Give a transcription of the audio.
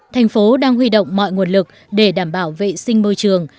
thành phố đang huy động mọi nguồn lực để đảm bảo vệ sinh môi trường